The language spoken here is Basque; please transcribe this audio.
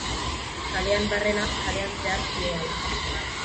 Kalean barrena, kalean zehar zihoala.